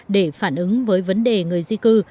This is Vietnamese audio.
để phản ứng với vấn đề người di cư